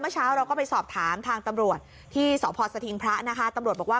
เมื่อเช้าเราก็ไปสอบถามทางตำรวจที่สศพระตำรวจบอกว่า